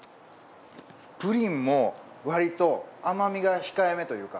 プリンも割と甘みが控えめというか。